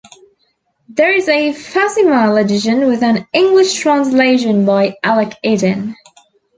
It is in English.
There is a facsimile edition with an English translation by Alec Eden.